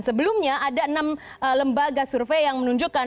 sebelumnya ada enam lembaga survei yang menunjukkan